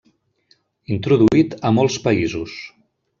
Introduït a molts països.